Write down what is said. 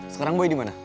sekarang boy dimana